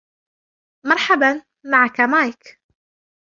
مرحباً ، معك مايك.